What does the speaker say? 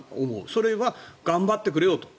それは頑張ってくれよと。